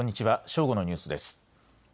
正午のニュースです。